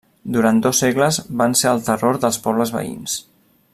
Durant dos segles van ser el terror dels pobles veïns.